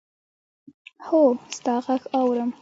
هو! ستا ږغ اورم.